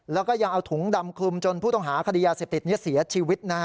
แล้วก็ยังเอาถุงดำคลุมจนผู้ต้องหาคดียาเสพติดนี้เสียชีวิตนะฮะ